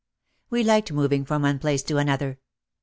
We liked moving from one place to another.